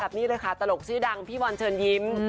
แบบนี้เลยค่ะตลกชื่อดังพี่บอลเชิญยิ้ม